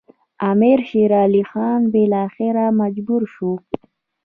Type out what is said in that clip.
امیر شېر علي خان بالاخره مجبور شو.